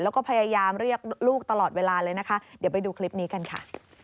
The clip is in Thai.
แล้วก็พยายามเรียกลูกตลอดเวลาเลยนะคะเดี๋ยวไปดูคลิปนี้กันค่ะ